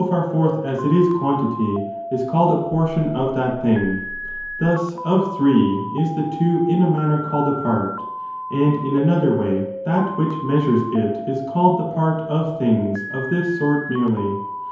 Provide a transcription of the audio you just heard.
tity, SO fer forth as it is quantity, is called a portion of that thing; thus, of three is the two in a manner called a part : and in another way that which measures it is called the part of things of this sort merely.